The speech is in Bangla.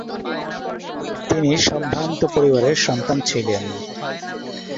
তিনি সম্ভ্রান্ত পরিবারের সন্তান ছিলেন।